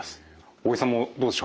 大江さんもどうでしょう？